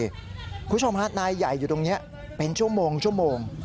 คุณผู้ชมฮะนายใหญ่อยู่ตรงนี้เป็นชั่วโมงชั่วโมง